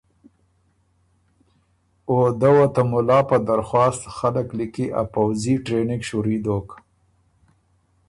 او دۀ وه ته مُلا په درخواست خلق لیکی ا پؤځي ټرېننګ شُوري دوک۔